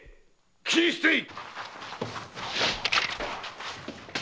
斬り捨てい！